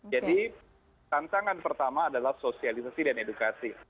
jadi tantangan pertama adalah sosialisasi dan edukasi